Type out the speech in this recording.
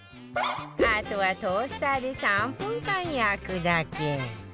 あとはトースターで３分間焼くだけ